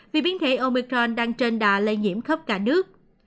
vì biến thể omicron đang trên đà lây nhiễm khắp cả nước